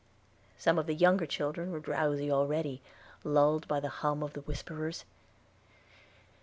Some of the younger children were drowsy already, lulled by the hum of the whisperers.